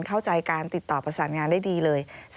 เข้าใจการติดต่อประสานงานได้ดีเลย